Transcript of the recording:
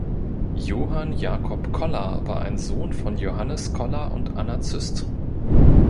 Johann Jakob Koller war ein Sohn von Johannes Koller und Anna Züst.